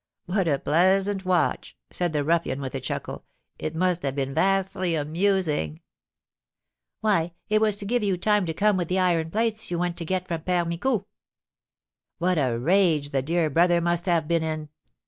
"What a pleasant watch!" said the ruffian, with a chuckle; "it must have been vastly amusing!" "Why, it was to give you time to come with the iron plates you went to get from Père Micou." "What a rage the dear brother must have been in!"